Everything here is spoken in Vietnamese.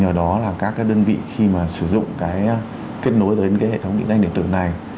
ở đó là các cái đơn vị khi mà sử dụng cái kết nối đến cái hệ thống định danh điện tử này